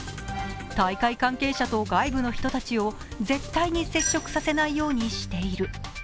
大会関係者と外部の人たちを絶対に接触させないようにしている。